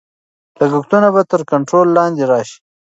لګښتونه به تر کنټرول لاندې راشي.